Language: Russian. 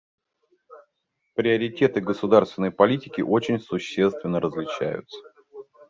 Приоритеты государственной политики очень существенно различаются.